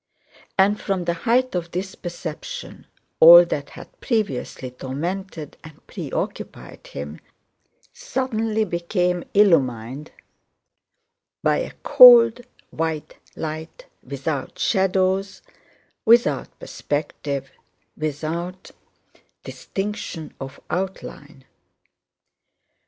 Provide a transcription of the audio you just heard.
And from the height of this perception all that had previously tormented and preoccupied him suddenly became illumined by a cold white light without shadows, without perspective, without distinction of outline.